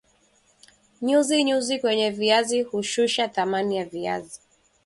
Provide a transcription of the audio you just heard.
nyuzi nyuzi kwenye viazi hushusha thamani ya viazi